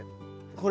これ？